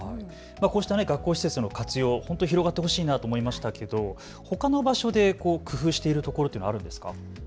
こうした学校施設の活用、広がってほしいなと思いましたけど、ほかの場所で工夫しているところというのはあるんですか。